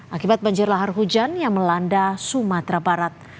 akibat banjir lahar hujan yang melanda sumatera barat